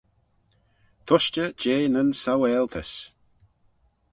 Tushtey jeh nyn saualtys.